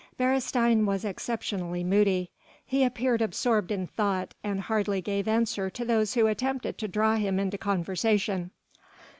Beresteyn was exceptionally moody; he appeared absorbed in thought and hardly gave answer to those who attempted to draw him into conversation.